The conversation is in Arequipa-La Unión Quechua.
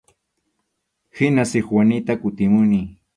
Hina Sikwanita kutimuni.